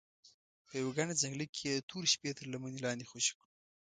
په یوه ګڼ ځنګله کې یې د تورې شپې تر لمنې لاندې خوشې کړو.